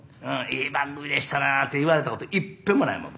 いい番組でしたなって言われたこといっぺんもないもの。